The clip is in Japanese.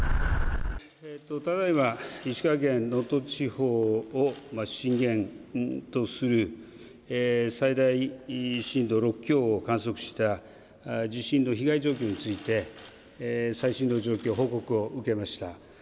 ただいま、石川県能登地方を震源とする最大震度６強を観測した地震の被害状況について最新の状況報告を受けました。